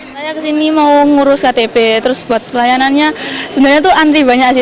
saya kesini mau ngurus ktp terus buat pelayanannya sebenarnya itu antri banyak sih